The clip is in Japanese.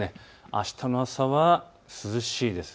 あしたの朝は涼しいです。